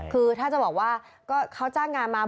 คือถ้าจะบอกว่าก็เขาจ้างงานมา